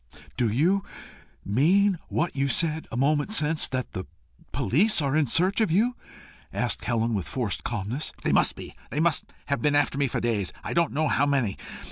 "Do you mean what you said a moment since that the police are in search of you?" asked Helen, with forced calmness. "They must be. They must have been after me for days I don't know how many.